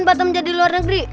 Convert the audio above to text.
batam jadi luar negeri